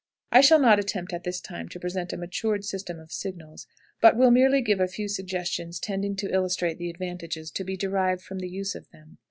I shall not attempt at this time to present a matured system of signals, but will merely give a few suggestions tending to illustrate the advantages to be derived from the use of them.